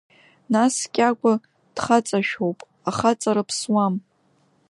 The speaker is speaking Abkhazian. Нас Кьагәа дхаҵашәоуп, ахаҵара ԥсуам!